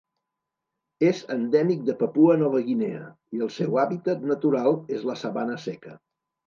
És endèmic de Papua Nova Guinea i el seu hàbitat natural és la sabana seca.